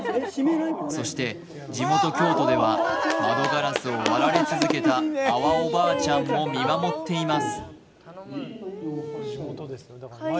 そして地元・京都では窓ガラスを割れ続けた阿波おばあちゃんも見守っています。